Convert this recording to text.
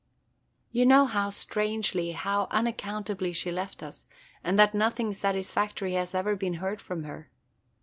"You know how strangely, how unaccountably she left us, and that nothing satisfactory has ever been heard from her.